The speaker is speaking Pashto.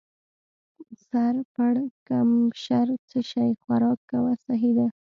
سر پړکمشر: څه شی؟ خوراک کوه، سهي ده.